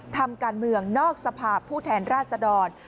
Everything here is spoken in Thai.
ทำการเมืองนอกสภาพผู้แทนราชดร